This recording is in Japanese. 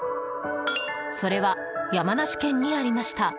それは山梨県にありました。